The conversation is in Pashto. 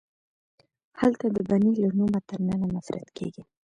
هلته د بنې له نومه تر ننه نفرت کیږي